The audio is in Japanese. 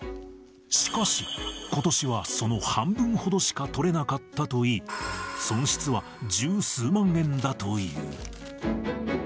しかし、ことしはその半分ほどしか取れなかったといい、損失は十数万円だという。